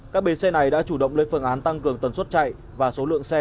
các bến xe này đã chủ động lên phương án tăng cường tần suất chạy và số lượng xe